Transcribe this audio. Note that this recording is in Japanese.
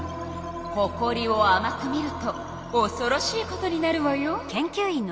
ほこりをあまく見るとおそろしいことになるわよ。